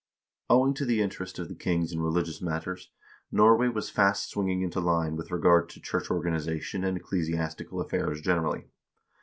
Owing to the interest of the kings in religious matters, Norway was fast swinging into line with regard to church organization and ecclesiastical affairs generally.